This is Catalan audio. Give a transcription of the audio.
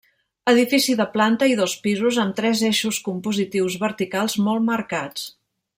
Edifici de planta i dos pisos amb tres eixos compositius verticals molt marcats.